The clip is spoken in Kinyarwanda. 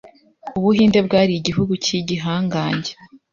Ubuhinde bwari igihugu cy’igihangange